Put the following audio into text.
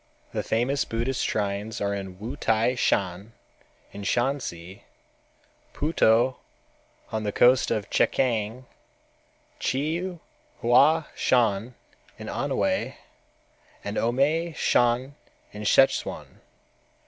The famous Buddhist shrines are Wu T'ai Shan in Shansi, Puto on the coast of Chekiang, Chiu Hua Shan in Anhwei, and Omei Shan in Szechuan.